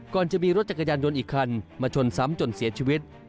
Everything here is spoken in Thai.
ก่อนจะมีรถจักรยานยนต์อีกคันมาชนซ้ำจนเสียชีวิต